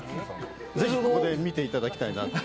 ぜひここで見ていただきたいなと。